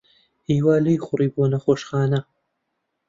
ھیوا لێی خوڕی بۆ نەخۆشخانە.